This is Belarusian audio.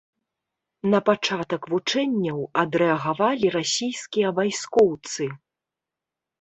На пачатак вучэнняў адрэагавалі расійскія вайскоўцы.